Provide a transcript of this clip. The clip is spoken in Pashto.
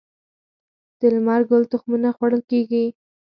د لمر ګل تخمونه خوړل کیږي